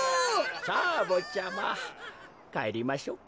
さあぼっちゃまかえりましょうか。